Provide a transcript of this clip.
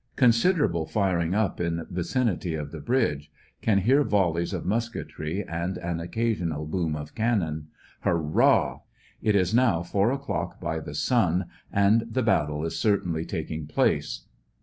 — Considerable firing up in vicinity of the bridge. Can hear volleys of musketry, and an occasional boom of cannon. Hurrah! It is now four o'clock by the sun and the bat tle is certainly taking place.